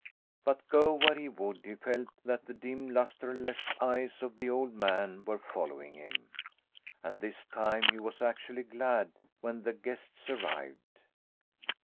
But go where he would, he felt that the dim, lustreless eyes of the old man were following him. And this time he was actually glad when the guests arrived.